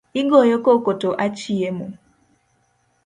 Igoyo koko to achiemo.